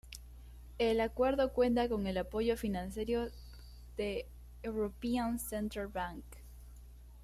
El acuerdo cuenta con el apoyo financiero de European Central Bank.